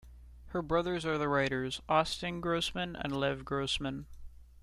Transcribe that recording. Her brothers are the writers Austin Grossman and Lev Grossman.